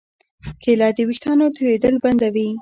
کېله د ویښتانو تویېدل بندوي.